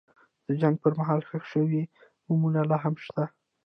د جنګ پر مهال ښخ شوي بمونه لا هم شته.